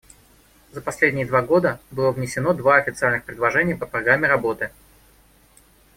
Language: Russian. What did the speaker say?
За последние два года было внесено два официальных предложения по программе работы.